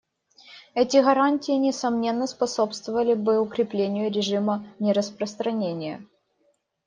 Эти гарантии, несомненно, способствовали бы укреплению режима нераспространения.